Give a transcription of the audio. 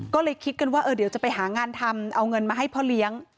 ก็เลยคิดกันว่าเดี๋ยวจะไปหางานทำเอาเงินมาให้พ่อเลี้ยง